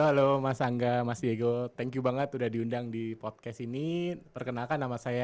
halo mas angga mas diego thank you banget udah diundang di podcast ini perkenalkan nama saya